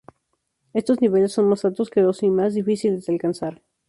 Estos niveles son más altos que los y más difíciles de alcanzar.